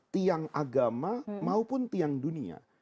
tiang agama maupun tiang dunia